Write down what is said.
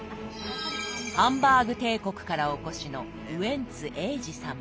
ハンバーグ帝国からお越しのウエンツ瑛士様。